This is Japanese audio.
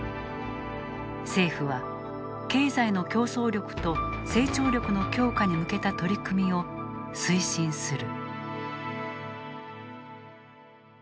政府は経済の競争力と成長力の強化に向けた取り組みを推進する。